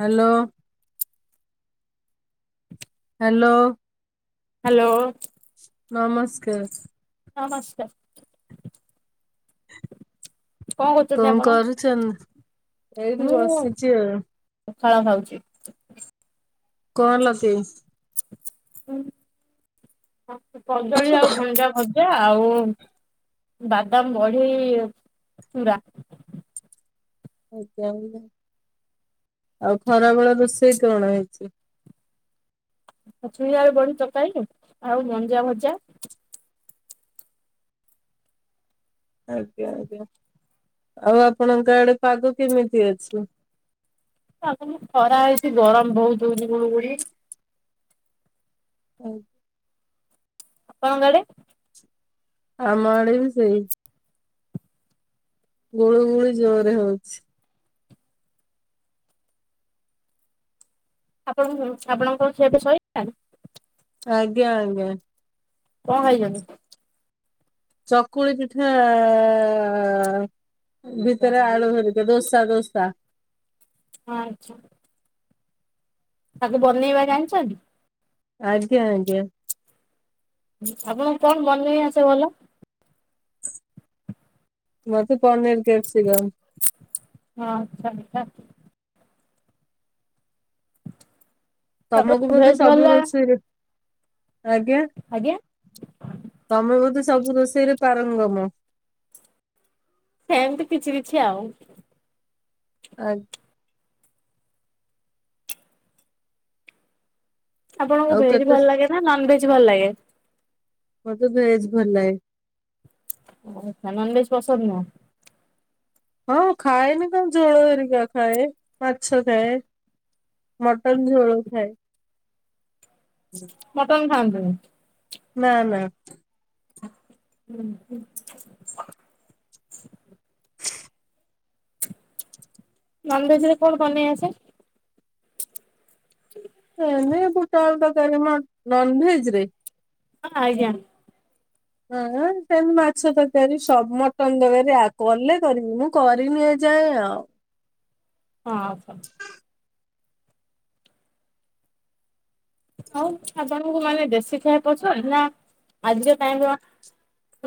Hello? Hello? Hello? ନମସ୍କାର। ନମସ୍କାର। କରୁଛନ୍ତି କଣ ଆପଣ? କରୁଚନ୍? ଫଳ ଖାଉଚି। କଣ ହେଲା କି? କଦଳୀ ଆଉ ଭଣ୍ଡା ଭ ଜା ଆଉ ବାଦାମ ବଢୀ ଚୁରା। ଆଛା ଆଉ, ଆଉ ଖରାବେଳ ରୋଷେଇ କଣ ହେଇଚି? ଛୁଇଁ ଆଳୁ ବଢି ତରକାରୀ ଆଉ ଆଉ ମଞ୍ଜା ଭଜା ଆଜ୍ଞା ଆଜ୍ଞା। ଆଉ ଆପଣଙ୍କ ଆଡେ ପାଗ କେମିତି ଅଛି? ପାଗନା ଖରା ହୋଉଚି ଗରମ ବୋହୁତ ହୋଉଚି ଗୁଳୁଗୁଳି। ଆଉ ଆପଣଙ୍କ ଆଡେ? ଆମ ଆଡେ ବି ସେଇ ଗୁଳୁଗୁଳି ଜୋରେ ହୋଉଚି। ଆପଣ ଆପଣଙ୍କ ଝିଅ ଏବେ ଶୋଇଲାଣି? ଆଜ୍ଞ ଆଜ୍ଞା। କଣ ଖାଇଚନ୍ତି? ଚକୁଳି ପିଠାଆ ଭିତରେ ଆଳୁ ଭରିକା ଦୋସା ଦୋସା। ଅ ଆଚ୍ଛା। ତାକୁ ବନେଇବା ଜାଣିଚନ୍ତି? ଆଜ୍ଞା ଆଜ୍ଞା। ଆପଣଙ୍କୁ କଣ ବନେଇ ଆସେ ଭଲ? ମତେ ପନିର୍ କ୍ୟାପସିଗମ୍ ଆଛା ଆଛା। ତମକୁ ତାପରେ ବୋଧେ ଭେଜ ଭଲ ସବୁ ଲାଗେ? ରୋଷେଇରେ ଆଜ୍ଞା ଆଜ୍ଞା ତମେ ବୋଧେ ସବୁ ରୋଷେଇରେ ପାରଙ୍ଗମ। ସେମତି କିଛି କିଛି ଆଉ। ଆ ଆପଣଙ୍କୁ ଆଉ ଭେଜ୍ କେତେ ଭଲଲାଗେ ନା ନନ୍ ଭେଜ୍ ଭଲଲାଗେ? ମତେ ଭେଜ୍ ଭଲଲାଗେ। ଆ ନନ୍ ଭେଜ୍ ପସନ୍ଦ ନୁହଁ? ହଁ ଖାଏନି କଣ ଝୋଳ ହରିକା ଖାଏ ମାଛ ଖାଏ। ମଟନ୍ ଝୋଳ ଖାଏ। ମଟନ ଖାଆନ୍ତୁନି। ନାଁ ନା। ହୁଁ ହଁ। ନନ ଭେଜ୍ ରେ କଣ ବନେଇ ଆସେ? ଏମ ବୁଟା ଆଳୁ ତରକାରି ନନଭେଜ ରେ ହଁ ଆଜ୍ଞା। ହଁ ସେମିତି ମାଛ ତରକାରି ସବ ମଟନ ତରକାରି ଆଉ କଲେ କରିବି ମୁଁ କରିନି। ସେ ଆଉ। ହଁ ଅଛ। ଆଉ ଆପଣଙ୍କୁ ମାନେ ଦେଶୀ ଖାଇଆ ପସନ୍ଦ ନ ଆଜିର ଟାଇମ୍ ର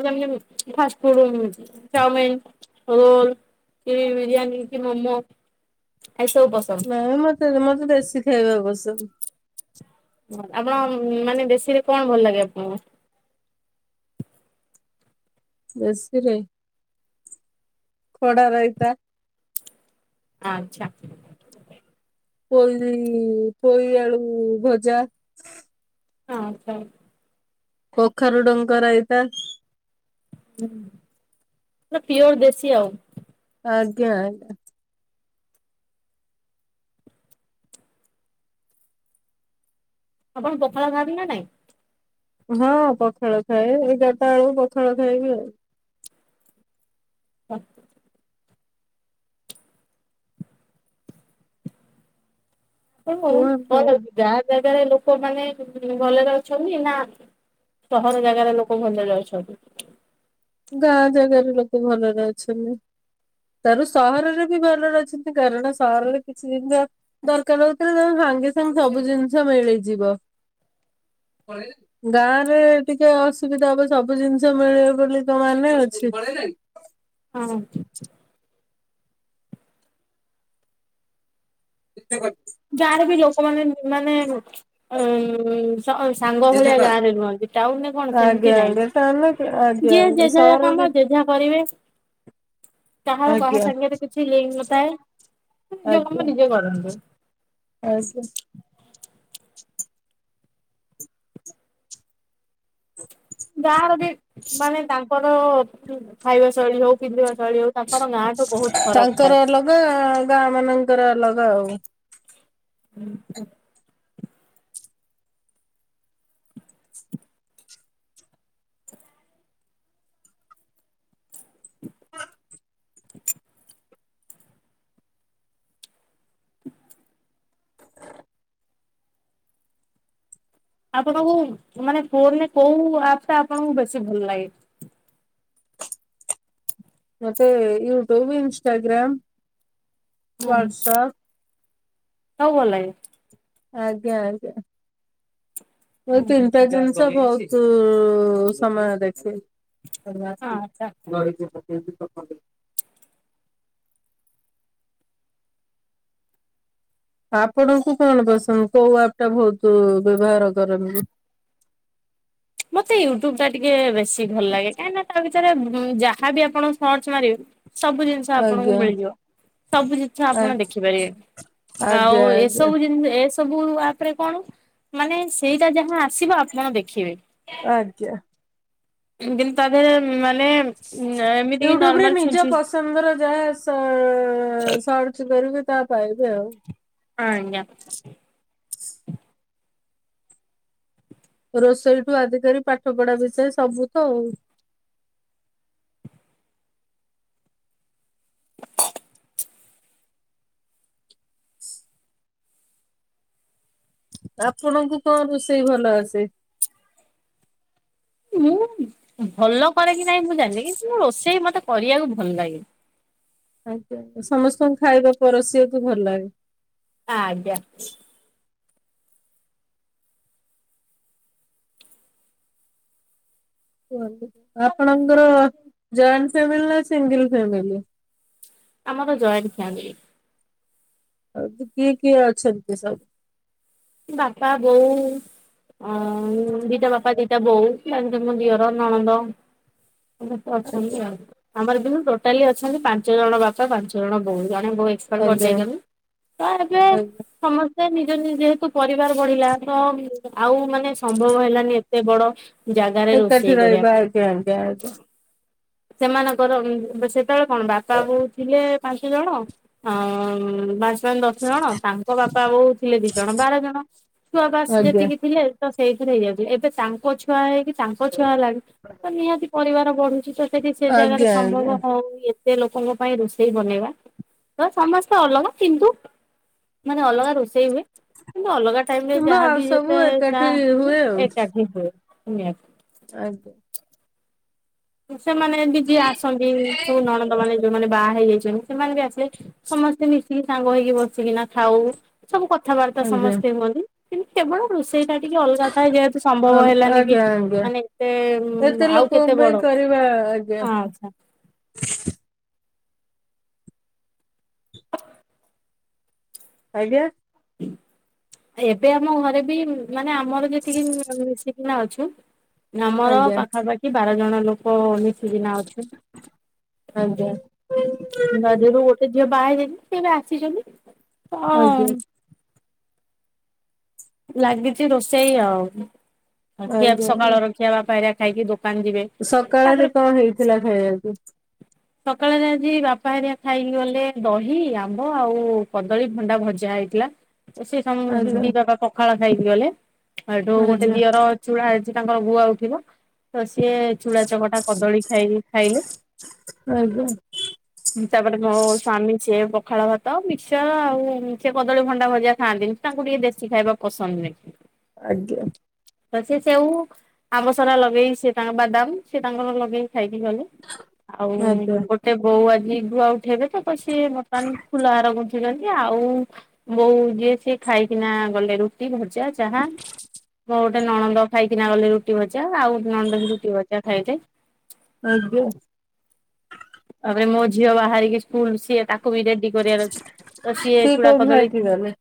ଯେମିତ କି ଫାଷ୍ଟ ଫୁଡ୍ ଚାଉମିନ, ରୋଲ୍ କି ବିରିୟାନୀ କି ମୋମୋ ଏସବୁ ପସନ୍ଦ। ନାଇଁ ମତେ ମତେ ଦେଶୀ ଖାଇବା ପସନ୍ଦ। ଆପଣ ମାନେ ଦେଶୀରେ କଣ ଭଲ ଲାଗେ ଆପଣଙ୍କୁ? ବେଶୀରେ ଖଡା ରାଇତା। ଆଚ୍ଛା। ପୋଇ ପୋଇ ଆଳୁ ଭଜା। ହଁ ଆଚ୍ଛା। କଖାରୁ ଡଙ୍କ ରାଇତା। ହୁଁ ପୁରା ପିଓର ଦେଶୀ ଆଉ। ଆଜ୍ଞା ଆଜ୍ଞା। ଆପଣ ପଖାଳ ଖାଆନ୍ତି ନା ନାଇଁ? ହଁ ପଖାଳ ଖାଏ ଏଗାରଟା ଏଳକୁ ପଖାଳ ଖାଇବି ଆଉ। ହକ୍। [unintelligible] କୁହନ୍ତୁ ଗାଁ ଜାଗାରେ ଲୋକମାନେ ଭଲରେ ଅଛନ୍ତି ନା ସହର ଜାଗାରେ ଲୋକ ଭଲରେ ଅଛନ୍ତି? ଗାଁ ଜାଗାରେ ଲୋକ ଭଲରେ ଅଛନ୍ତି। ତାର ସହରରେ ବି ଭଲରେ ଅଛନ୍ତି କାରଣ ସହରରେ କିଛି ଦିନ ଜିନିଷ ଦରକାର ହଉ ଥିଲେ ତମେ ସହ ସାଙ୍ଗେ ସାଙ୍ଗେ ସବୁ ଜିନିଷ ମିଳିଯିବ। ଗାଁରେ ଟିକେ ଅସୁବିଧା ହବ ସବୁ ଜିନିଷ ମିଳିବ ବୋଲି ତ ମାନେ ଅଛି। ହଁ। [inaudible] ଯାହାର ବି ଲୋକମାନେ ମାନେ ଏ ସା ସାଙ୍ଗ ଭଳିଆ ଗାଁରେ ରୁହନ୍ତି, ଟାଉନରେ କଣ ଆଜ୍ଞା ସେମିତି ଆଜ୍ଞା ତାହେଲେ ନାହିଁ ଆଜ୍ଞା ଯିଏ ଆଜ୍ଞା ଯେ ଯା ସହରରେ କାମ ଯେ ଯା କରିବେ। [inaudible] କାହାର କାହା ଆଜ୍ଞା ସାଙ୍ଗରେ କିଛି ଲିଙ୍କ ନଥାଏ ନିଜ କାମ ନିଜେ କରନ୍ତୁ। ଆଉ ସେ ଗାଁ ର ବି ମାନେ ତାଙ୍କର ବି ଖାଇବା ଶୈଳୀ ହଉ ପିନ୍ଧିବା ଶୈ ତାଙ୍କର ଅଲଗା ଗାଁ ମାନଙ୍କର ଅଲଗା ଆଉ। ହୁଁ ତ। [inaudible] [inaudible] ଆପଣଙ୍କୁ ମାନେ ଫୋନରେ କୋଉ ଆପ୍ ଟା ଆପଣଙ୍କୁ ବେଶୀ ଭଲ ଲାଗେ। ମତେ ୟୁଟ୍ୟୁବ, ଇନସଟାଗ୍ରାମ, ୱାଟସପ୍। କଉ ଭଲ ଲାଗେ। ଆଜ୍ଞା ଆଜ୍ଞା ଯଉ ତିନିଟା ଜନିଶ୍ ତ ବହୁତ୍ ଉଁ ସମୟ ଦେଖେ। ଆଚ୍ଛା। [unintelligible] ଆପଣଙ୍କୁ କଣ ପସନ୍ଦ କୋଉ ଆପ୍ ଟା ବହୁତୁ ବ୍ୟବହାର କରନ୍ତି। [inaudible] ମତେ ୟୁଟ୍ୟୁବ୍ ଟା ଟିକେ ବେଶୀ ଭଲ ଲାଗେ କାହିଁକି ତା ଭି ତରେ ଯାହାବି ଆପଣ ସର୍ଚ୍ଚ ମାରିବେ ସେ ସବୁ ଜିନିଷ ଆପଣଙ୍କୁ ଆଜ୍ଞା ମିଳିଯିବ ସବୁ ଜିନିଷ ଆ ଆପଣ ଦେଖିପାରିଏ। ଆଉ ଆଜ୍ଞା ଆଜ୍ଞା ଏସବୁ ଜିନି ଏ ସ ସବୁ ଆପ ରେ କଣ ମାନେ ସେଇଟା ଯାହା ଆସିବ ଆପଣ ଦେଖିବେ। ଆଜ୍ଞା। ତିନିଦିନ ତଳେ ହ ୟୁଟ୍ୟୁବରେ ନିଜ ଛୁଞ୍ଚି ପସନ୍ଦର ଯାହା ସର୍ଚ କରିବ। ତା ପାଇବେ ଆଉ। ଆଜ୍ଞା। ରୋଷେଇଠୁ ଆଧିକାର ପାଠ ପଢା ବିଷୟରେ ସବୁ ତ ଆଉ ଆପଣଙ୍କୁ କଣ ରୋଷେଇ ଭଲ ଆସେ? ମୁଁ ଭଲ କରେ କି ନାଇଁ ମୁଁ ଜାଣିବି ରୋଷେଇ ମତେ କରିବାକୁ ଭଲ ଲାଗେ। ଆଜ୍ଞା ସମସ୍ତଙ୍କୁ ଖାଇବା ପରସିବାକୁ ଭଲ ଲାଗେ। ଆଜ୍ଞା। ଆପଣଙ୍କର ଜଏଣ୍ଟ ଫାମିଲ ନା ସିଙ୍ଗଲ ଫାମିଲି? ଆମର ତ ଜଏଣ୍ଟ ଫ୍ୟାମିଲି। ଆଉ କିଏ କିଏ ଅଛନ୍ତି କି ସବୁ? ବାପା ବୋଉ ଅ ଦିଟା ବାପା ଦିଟା ବୋଉ ତା ସହିତ ମୋ ଦଝିଅର ନଣନ୍ଦ। ସ୍ତେ ଅଛନ୍ତି ଆଜ୍ଞା ଆଉ ଆମର ବି ଟୋଟାଲି ଅଛନ୍ତି ପାଞ୍ଚ ଜଣ ବାପା ପାଞ୍ଚ ଜଣ ଭଉଣୀ। ଜଣେ ବହୁ ଏପ ଆଜ୍ଞା କରିଦେଇଲେ ତ ଏବେ ଆଜ୍ଞା ସମସ୍ତେ ନିଜ ନିଜେତୁ ପରିବାର ବଢିଲା ତ ଆଉ ମାନେ ସମ୍ଭବ ହେଲାନି ଏତେ ବଡ ଜାଗାରେ ରୋଷେଇ ଏକାଠି କରିବା ରହିବା ପାଇଁ ଆଜ୍ଞା ଆଜ୍ଞା ସେମାନଙ୍କର ସେତେବେଳେ କଣ ବାପା ବୋଉ ଥିଲେ। ଜଣ ଆ ଦଶ ଜଣ ତାଙ୍କ ବାପା ବୋଉ ଥିଲେ ଦି ଜଣ ବାର ଜଣ ଛୁଆବାସ ଆଜ୍ଞା ଯେତିକି ଥିଲେ। ତ ସେଇଥିରେ ହେଇଯାଉଥିଲା ଏବେ ତାଙ୍କ ଛୁଆ ହେଇକି ତାଙ୍କ ଛୁଆ ହେଲାଣି ତ ନିହାତି ପରିବାର ବଢୁଛି ତ। ସେଠି ସେ ଜାଗାରେ ଆଜ୍ଞା ଆଜ୍ଞା ସମ୍ଭବ ଆଜ୍ଞା ହଉ ସେ ଲୋକଙ୍କ ପାଇଁ ରୋଷେଇ ବନେଇବା ତ ସମସ୍ତେ ଅଲଗା କିନ୍ତୁ ମାନେ ଅଲଗା ରୋଷେଇ ହୁଏ କିନ୍ତୁ ଅଲଗା ଖାଇଲେ କିମ୍ବା ଆଉ ଯାହାଵି ସବୁ ଯେତେ ଏକାଠି ଯାହା ହୁଏ ଆଉ ଏକାଠି ହୁଏ ନିହାତି। ଆଜ୍ଞା। ସେମାନେ ବି ଯିଏ ଆସନ୍ତି ଯୋଉ ନଣନ୍ଦ ମାନେ। ଯୋଉମାନେ ବାହା ହେଇଯାଇଛନ୍ତି ସେମାନେ ବି ଆସିଲେ ସମସ୍ତେ ମିଶିକି ସାଙ୍ଗ ହେଇକି ବସିକିନା ଖାଉ। ସବୁ କଥାବାର୍ତ୍ତା ଆଜ୍ଞା ସମସ୍ତେ ହୁଅନ୍ତି କିନ୍ତୁ କେବଳ ରୋଷେଇ ଟା ଟିକେ ଅଲଗା ଥାଏ ଯେହେତୁ ସମ୍ଭବ ହେଲାନି କି ଆଜ୍ଞା ଆଜ୍ଞା ମାନେ ଏତେ ଏତେ ଆଉ ଲୋକଙ୍କ କେତେ ପାଇଁ ବଡ। କରିବା ଆଜ୍ଞା। ଆଚ୍ଛା ଆଜ୍ଞା। ଏବେ ଆମ ଘରେ ବି ମାନେ ଆମର ଯେତିକି ମିଶିକିନା ଅଛି। ଆମର ଆଜ୍ଞା ପାଖାପାଖି ବାର ଜଣ ଲୋକ। ହଁ ମିଶିକିନା ଅଛୁ ଆଜ୍ଞା ଗୋଟେ ବାହାହେଇଛନ୍ତି ସେ ଏବେ ଆସିଛନ୍ତି ହଁ। ଆଜ୍ଞା ଲାଗିଚ ରୋଷେଇ ଆଉ ଖିଆ ଆଜ୍ଞା ସକାଳର ଖିଆ ବା ପାଆ ଖାଇକି ଦୋକ ସକାଳରେ କଣ ହେଇଥିଲା ଖାଇବାକୁ? ସକାଳେରେ ଆଜି ବାପା ହାରଆ ଖାଇକି ଗଲେ ଦହି ଆମ୍ବ ଆଉ କଦଳୀ ଭଣ୍ଡା ଭଜା। ଆଇଥିଲା। ଏ ସିଏ ସମ ଦି ଆଜ୍ଞା ଦି ବାପା ପଖାଳ ଖାଇକି ଗଲେ। ଏଇଠୁ ଗୋଟେ ଆଜ୍ଞା ଦିଅର ଚୁଡା ହେ ସେ ତାଙ୍କର ଗୁଆ ଉଠିବ ତ ସିଏ ଚୁଡା ଚକଟା କଦଳୀ ଖାଇକି ଖାଇଲେ। ଆଜ୍ଞା ଉଁ ତାପରେ ମୋ ସ୍ଵାମୀ ସିଏ ପଖାଳ ଭାତ ମିକ୍ସଚର ଆଉ ଉଁ ସେ କଦଳୀ ଭଣ୍ଡା ଭଜା ଖାଆନ୍ତିନି ତାଙ୍କୁ ଟିକେ ଦେଶୀ ଖାଇବା ପସନ୍ଦ ନୁହେଁ। ଆଜ୍ଞା। ତ ସେ ସେଉ ଆମ୍ବ ସଡା ଲଗେଇ ସିଏ ତାଙ୍କ ବାଦାମ ସିଏ ତାଙ୍କର ଲଗେଇ ଖାଇକି ଗଲେ। ଆଉ ଉଁ ଆଜ୍ଞା ଗୋଟେ ବୋଉ ଆଜି ଗୁଆ ଉଠେଇବେ ତ ତ ସିଏ ବର୍ତ୍ତମାନ ଫୁଲ ହାର ଗୁନ୍ ନ୍ଥୁ ଛନ୍ତି ଆଉ ବୋଉ ଯିଏ ସିଏ ଖାଇକିନା ଗଲେ ରୁଟି ଭ ଜା ଚାହା ମୋର ଗୋଟେ ନଣନ୍ଦ ଖାଇକିନା ଗଲେ ରୁଟି ଭଜା ଆଉ ଗୋଟେ ନଣନ୍ଦ ବି ରୁଟି ଭଜା ଖାଇଲେ। ଆଜ୍ଞା। ତାପରେ ମୋ ଝିଅ ବାହାରିକି ସ୍କୁଲ ସିଏ ତା କୁ ବି ରେଡି କରିଆର ଅଛି। ତ ସିଏ ଚୁଡା କୋଉଠି କଦଳୀ ଖାଇକି ଗଲେ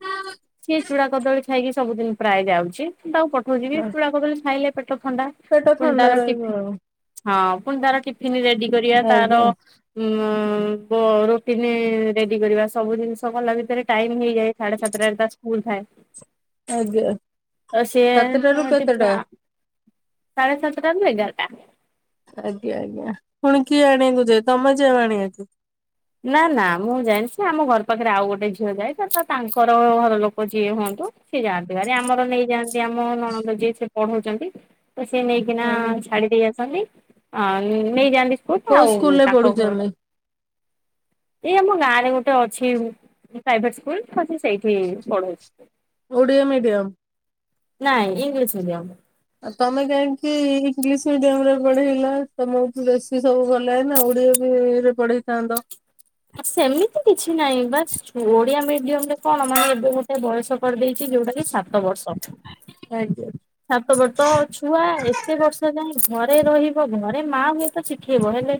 ସିଏ ଚୁଡା କଦଳୀ ଖାଇକି ସବୁଦିନି ପ୍ରାୟେ ଯାଉଛି ମୁଁ ତାକୁ ପଠଉଚି ବି ଚୁଡା କଦଳୀ ଖାଇଲେ ତ ଥଣ୍ଡା ପେଟ ପୁଣି ଥଣ୍ଡା ତାର ରହିବ ଟିଫି ଆଉ ହଁ ପୁଣି ତାର ଟିଫିନି ରେଡି କରିଆ ଆଜ୍ଞା ତାର ଉଁ ବ ରୁଟିନି ରେଡି କରିବା ସବୁ ଜିନିଷ କଲା ଭିତରେ ଟାଇମ୍ ମି ହେଇଯାଏ ସାଢେ ସାତେଟାରେ ତା ସ୍କୁଲ ଥାଏ। ଆଜ୍ଞା। ଅ ସିଏ ନା ସାତଟାରୁ ଟି କେତେଟା ଆ ସାଢ଼େ ସାତେଟାରୁ ଏଗାରଟା। ଆଜ୍ଞା ଆଜ୍ଞା। ପୁଣି କିଏ ଆଣିଆକୁ ଯାଏ ତମେ ଯାଅ ଆଣିବାକୁ? ନା ନା ମୁଁ ଯାଏନି ସିଏ ଆମ ଘର ପାଖରେ ଆଉ ଗୋଟେ ଝିଅ ଯାଏ ତ ତ ତାଙ୍କର ଘର ଲୋକ ଯିଏ ହୁଅ ତ ସିଏ ଯାଆନ୍ତି ଭାରି ଆମର ନେଇଯାଆନ୍ତି ଆମ ନଣନ୍ଦ ଯିଏ ସିଏ ପଢଉଚନ୍ତି। ତ ସିଏ ନେଇକିନା ଆଜ୍ଞା ଛାଡି ଦେଇ ଆସନ୍ତି ଆ ଉଁ ନେଇଯାଆନ୍ତି। ସ୍କୁଲ କୋଉ ଆଉ ସ୍କୁଲ ରେ ତାଙ୍କ ଘର ପଢୁଚନ୍ତି? ଏଇ ଆମ ଗାଁ ରେ ଗୋଟେ ଅଛି ପ୍ରାଇଭେଟ ସ୍କୁଲ ତ ସିଏ ସେଇଠି ପଢୁଛି। ଓଡ଼ିଆ ମିଡିୟମ? ନାଇଁ ଇଂଲିଶ ମିଡିୟମ। ଆଉ ତମେ କାହିଁକି ଇଂଲିଶ ମିଡିୟମ ରେ ପଢେଇଲ ତମକୁ ବେଶୀ ସବୁ ଭଲ ଲାଗେ ନା ଓଡିଆ ବି ଇଏରେ ପଢେଇଥାନ୍ତ। ସେମିତି କିଛି ନାହିଁ ବା ଓଡିଆ ମିଡିୟମ ରେ କଣ ମାନେ ଏବେ ଗୋଟେ ବୟସ କରିଦେଇ ଚି ଯୋଉଟା କି ସାତ ବର୍ଷ। ଆଜ୍ଞା ସାତ ବର୍ଷ ଛୁଆ ଏତେ ବର୍ଷ ଯାଏ ଘରେ ରହିବ ଘ ରେ ମାଆ ହୁଏ ତ ଶିଖେଇବ ହେଲେ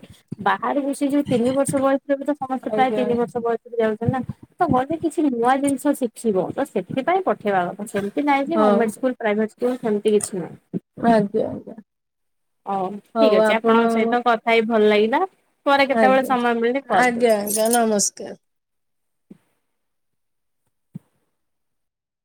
ବାହାରେବି ସେ ଯୋଉ ତିନି ବର୍ଷ ବୟସ ରେ ତ ପ୍ରାୟେ ଆଜ୍ଞା ତିନି ବର୍ଷ ବୟସରୁ ଯାଉଚନ୍ତି ନା ତ ଗଲେ କିଛି ନୂଆ ଜିନିଷ ଶି ଖିବ ତ ସେଥିପାଇଁ ପଠେଇବା ତ ସେ ମିତି ନାଇଁ ଯେ ହଁ ଗମେଣ୍ଟ ସ୍କୁଲ ପ୍ରାଇଭେଟ ସ୍କୁଲ ସେମତି କିଛି ନାହିଁ। ଆଜ୍ଞା ଆଜ୍ଞା। ହଉ ଠିକ୍ ଅଛି ଆପଣଙ୍କ ସହିତ କଥା ହେଇ ଭଲ ଲାଗିଲା। ପରେ କେତେବେଳେ ଆଜ୍ଞା ସମୟ ମିଳିଲେ କଲ ଆଜ୍ଞା ଆଜ୍ଞା ନମସ୍କାର। କରିବି।